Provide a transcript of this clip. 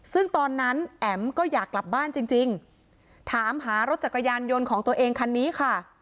ซึ่งตอนนั้นแอ๋มก็อยากกลับบ้านจริงจริงถามหารถจักรยานยนต์ของตัวเองคันนี้ค่ะ